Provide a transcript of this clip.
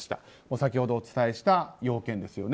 先ほどお伝えした要件ですよね。